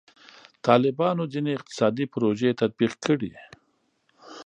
طالبانو ځینې اقتصادي پروژې تطبیق کړي.